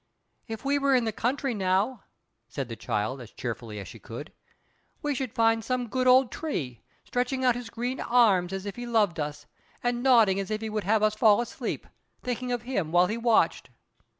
"If we were in the country now," said the child, as cheerfully as she could, "we should find some good old tree, stretching out his green arms as if he loved us, and nodding as if he would have us fall asleep; thinking of him while he watched.